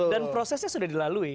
dan prosesnya sudah dilalui